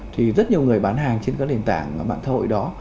thì rất nhiều người bán hàng trên các nền tảng mạng xã hội đó